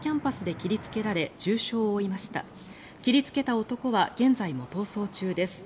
切りつけた男は現在も逃走中です。